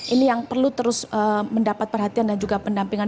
ini yang perlu terus mendapat perhatian dan juga pendampingan